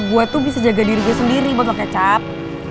gue tuh bisa jaga diri gue sendiri bakal kecap